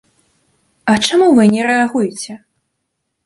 А чаму вы не рэагуеце?